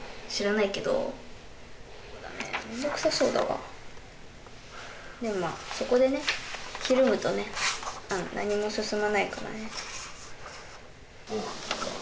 知らないけどめんどくさそうだわでもまあそこでねひるむとね何も進まないからね